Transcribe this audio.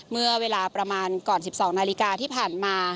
เมื่อเวลาประมาณก่อน๑๒นาฬิกาที่ผ่านมา